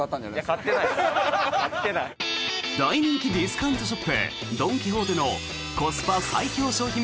大人気ディスカウントショップドン・キホーテのコスパ最強商品